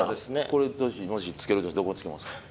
これもしつけるとしたらどこにつけますか？